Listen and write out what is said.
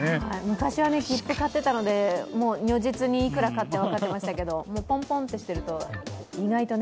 昔は切符を買っていたので如実にいくらかかるとか分かっていましたけれどもポンポンってしてると、意外とね。